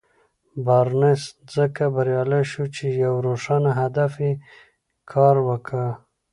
بارنس ځکه بريالی شو چې يوه روښانه هدف ته يې کار وکړ.